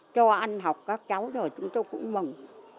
cho ăn học các cháu rồi chúng tôi cũng mừng